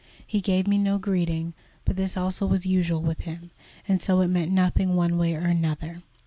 He gave me no greeting, but this also was usual with him, and so it meant nothing one way or another.